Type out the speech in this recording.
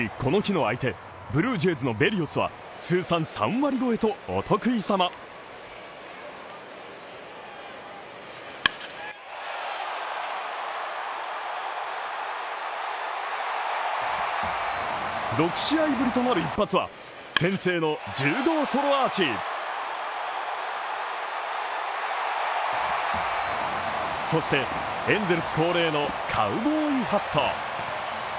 しかし、この日の相手、ブルージェイズのベリオスは通算３割超えと、お得意様６試合ぶりとなる一発は先制の１０号ソロアーチそしてエンゼルス恒例のカウボーイハット。